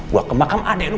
gua kemakam adik lu